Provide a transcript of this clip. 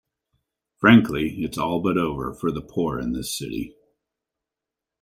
Frankly, it's all but over for the poor in this city.